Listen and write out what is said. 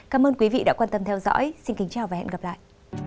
cảm ơn quý vị đã quan tâm theo dõi xin kính chào và hẹn gặp lại